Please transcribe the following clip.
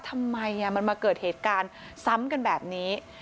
ทำไมมันมาเกิดเหตุการณ์ซ้ำกันแบบนี้